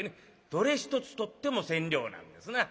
どれ一つとっても千両なんですな。